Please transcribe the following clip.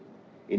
ini adalah pilihan